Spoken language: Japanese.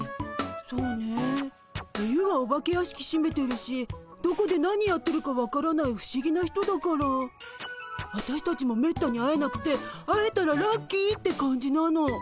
そうね冬はお化け屋敷しめてるしどこで何やってるか分からない不思議な人だからあたしたちもめったに会えなくて会えたらラッキーって感じなの。